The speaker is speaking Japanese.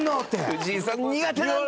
藤井さん苦手なんだよ！